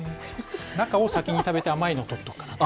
中を先に食べて、甘いのを取っておこうかなと。